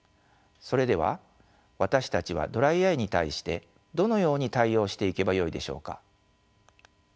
それでは私たちはドライアイに対してどのように対応していけばよいでしょうか。